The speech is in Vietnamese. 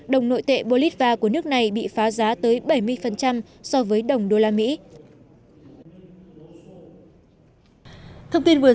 đồng nội tệ bolitva của nước này bị phá giá tới bảy mươi so với đồng đô la mỹ